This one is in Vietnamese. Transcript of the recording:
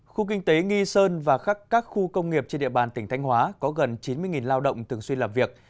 khu kinh tế nghi sơn và các khu công nghiệp trên địa bàn tỉnh thanh hóa có gần chín mươi lao động thường xuyên làm việc